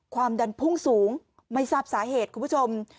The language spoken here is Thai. ความดันพุ่งสูงไม่ทราบสาเหตุคุณผู้ชม